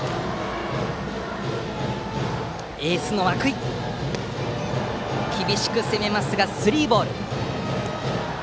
涌井、厳しく攻めますがスリーボール。